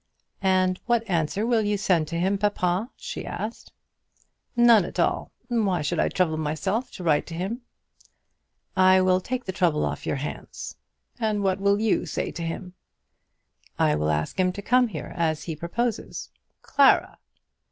"And what answer will you send to him, papa?" she asked. "None at all. Why should I trouble myself to write to him?" "I will take the trouble off your hands." "And what will you say to him?" "I will ask him to come here, as he proposes." "Clara!"